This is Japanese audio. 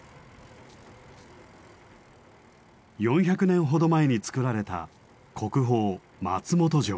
４００年ほど前に造られた国宝松本城。